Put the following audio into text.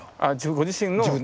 ご自身の？